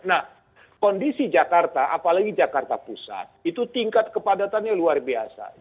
nah kondisi jakarta apalagi jakarta pusat itu tingkat kepadatannya luar biasa